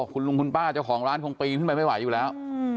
คุณลุงคุณป้าเจ้าของร้านคงปีนขึ้นไปไม่ไหวอยู่แล้ว